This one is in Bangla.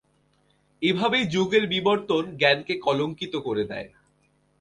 এভাবেই যুগের বিবর্তন জ্ঞানকে কলংকিত করে দেয়।